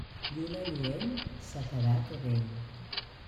Lluna lluent, sequedat o vent.